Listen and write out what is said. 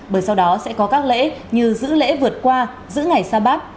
bởi sau đó sẽ có các lễ như giữ lễ vượt qua giữ ngày sa bác